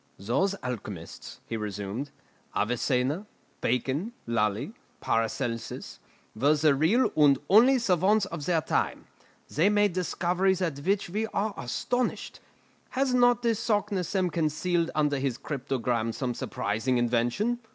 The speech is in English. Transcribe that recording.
"Those alchemists," he resumed, "Avicenna, Bacon, Lully, Paracelsus, were the real and only savants of their time. They made discoveries at which we are astonished. Has not this Saknussemm concealed under his cryptogram some surprising invention?